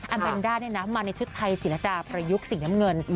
อัลแมนด้านน้ำมาในชุดไทยจิตรภายุกษ์สีน้ำเงิน